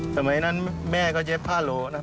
สมัยนั้นแม่ก็เย็บผ้าโหลนะ